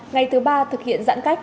ngày thứ ba thực hiện giãn cách